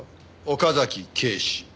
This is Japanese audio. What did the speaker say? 岡崎警視。